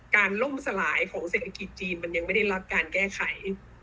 ล่มสลายของเศรษฐกิจจีนมันยังไม่ได้รับการแก้ไข